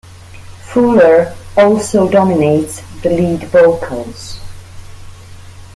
Fuller also dominates the lead vocals.